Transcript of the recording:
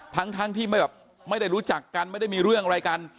ทั้งที่แบบไม่ได้รู้จักกันไม่ได้มีเรื่องอะไรกัน